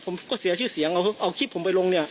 เสียชื่อเสียงเอาคลิปผมไปลงเนี่ย